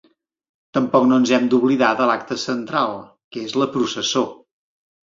Tampoc no ens hem d’oblidar de l’acte central, que és la processó.